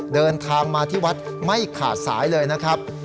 เดินทางมาที่วัดไม่ขาดสายเลยนะครับ